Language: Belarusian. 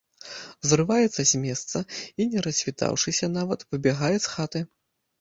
Зрываецца з месца і, не развітаўшыся нават, выбягае з хаты.